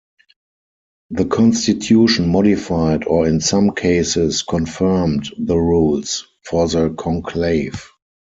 The constitution modified or in some cases confirmed the rules, for the conclave.